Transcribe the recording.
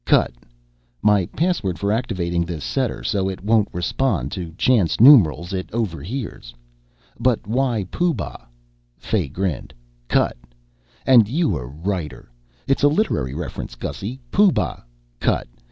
"Cut. My password for activating the setter, so it won't respond to chance numerals it overhears." "But why Pooh Bah?" Fay grinned. "Cut. And you a writer. It's a literary reference, Gussy. Pooh Bah (cut!)